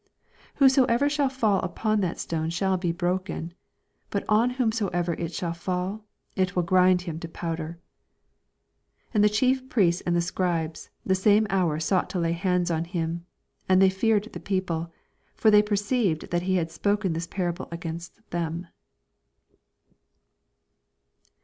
18 Whosoever shall fall upon that stone shall be broken ; but on whom soever it shall fall, it will grind him to powder. 19 And the Chief Priests and the Scribes the same hour souj^ht to lay hands on him ; and they leared the people : for they perceived that he had spoken this parable against them.